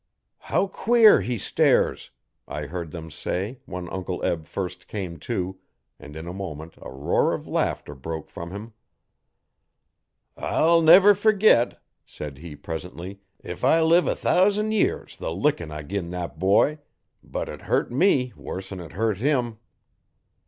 'How queer he stares!' I heard them say when Uncle Eb first came to, and in a moment a roar of laughter broke from him. 'I'll never fergit,' said he presently, 'if I live a thousan' years, the lickin' I gin thet boy; but it hurt me worse'n it hurt him.'